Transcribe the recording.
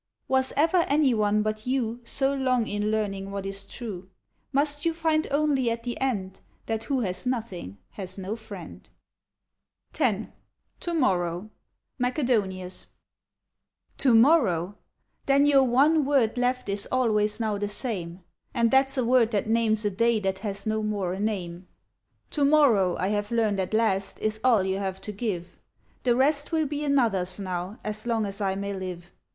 Was ever anyone but you So long in learning what is true ? Must you find only at the end That who has nothing has no friend ? X TO MORROW (JlAacedonius) To morrow ? Then your one word left is always now the same ; O 178 VARIATIONS OF GREEK THEMES And that's a word that names a day that has no more a name. To morrow, I have learned at last, is all you have to give : The rest will be another's now, as long as I may live.